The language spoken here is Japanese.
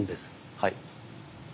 はい。